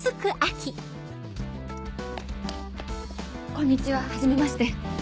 こんにちははじめまして。